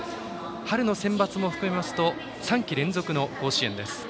春のセンバツも含めますと３季連続の甲子園です。